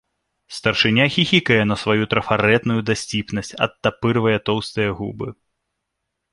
Старшыня хіхікае на сваю трафарэтную дасціпнасць, адтапырвае тоўстыя губы.